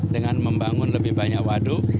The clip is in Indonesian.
dengan membangun lebih banyak waduk